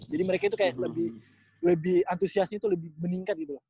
jadi mereka itu kayak lebih lebih antusiasnya itu lebih meningkat gitu loh